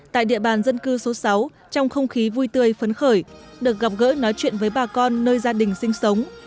tại địa bàn dân cư số sáu trong không khí vui tươi phấn khởi được gặp gỡ nói chuyện với bà con nơi gia đình sinh sống